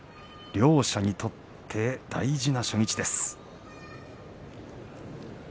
両者にとって大事な初日です。